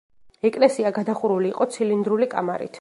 ეკლესია გადახურული იყო ცილინდრული კამარით.